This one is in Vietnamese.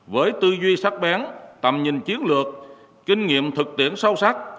với tư duy sắc bén tầm nhìn chiến lược kinh nghiệm thực tiễn sâu sắc